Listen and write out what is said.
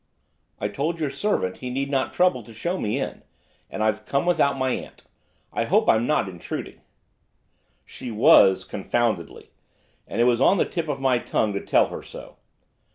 'I told your servant he need not trouble to show me in, and I've come without my aunt. I hope I'm not intruding.' She was confoundedly; and it was on the tip of my tongue to tell her so.